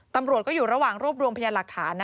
ตำรวจก็อยู่ระหว่างรวบรวมพยานหลักฐาน